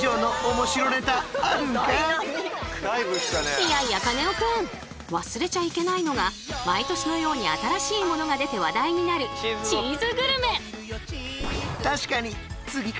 いやいやカネオくん！忘れちゃいけないのが毎年のように新しいものが出て話題になるチーズグルメ！